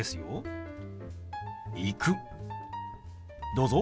どうぞ。